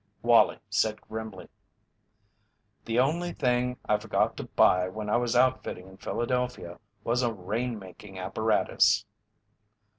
Wallie said grimly: "The only thing I forgot to buy when I was outfitting in Philadelphia was a rain making apparatus."